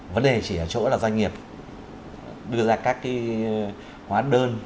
vấn đề chỉ ở chỗ là doanh nghiệp đưa ra các hóa đơn